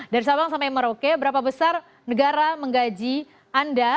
dari sabang sampai merauke berapa besar negara menggaji anda